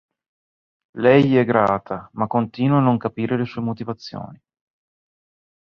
Lei gli è grata, ma continua a non capire le sue motivazioni.